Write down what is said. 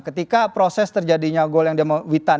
ketika proses terjadinya gol yang demo witan